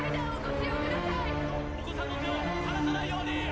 ・お子さんの手を離さないように！